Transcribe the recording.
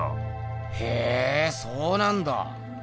へえそうなんだ。